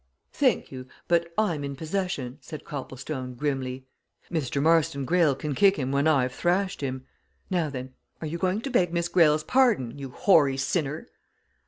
"Thank you, but I'm in possession," said Copplestone, grimly. "Mr. Marston Greyle can kick him when I've thrashed him. Now, then are you going to beg Miss Greyle's pardon, you hoary sinner?"